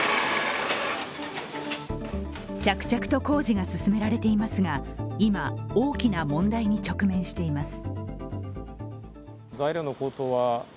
着々と工事が進められていますが今、大きな問題に直面しています。